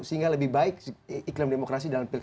sehingga lebih baik iklim demokrasi dalam pilkada